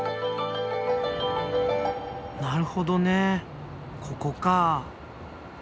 なるほどねここか。